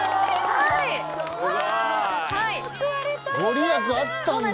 御利益あったんだ。